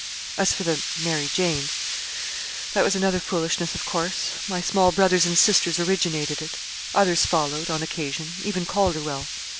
"As for the 'Mary Jane' that was another foolishness, of course. My small brothers and sisters originated it; others followed, on occasion, even Calderwell.